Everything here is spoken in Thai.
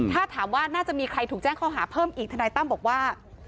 ถ้าถามว่าน่าจะมีใครถูกแจ้งข้อหาเพิ่มอีกทนายตั้มบอกว่า